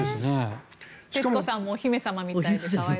徹子さんもお姫様みたいで可愛らしい。